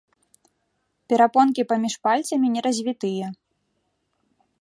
Перапонкі паміж пальцамі не развітыя.